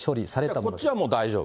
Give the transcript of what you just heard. こっちはもう大丈夫。